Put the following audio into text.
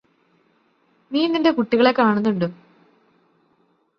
നീ നിന്റെ കുട്ടികളെ കാണുന്നുണ്ടോ